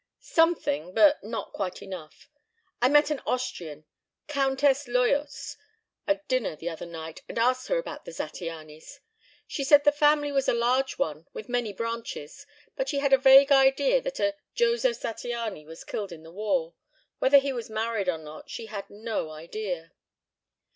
"Something, but not quite enough. I met an Austrian, Countess Loyos, at dinner the other night and asked her about the Zattianys. She said the family was a large one with many branches, but she had a vague idea that a Josef Zattiany was killed in the war. Whether he was married or not, she had no idea.